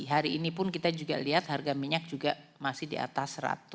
hari ini pun kita juga lihat harga minyak juga masih di atas seratus